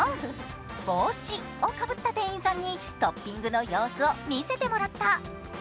帽子をかぶった店員さんにトッピングの様子を見せてもらった。